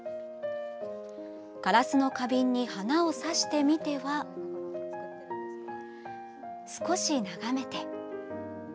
ガラスの花瓶に花を挿してみては少し眺めて。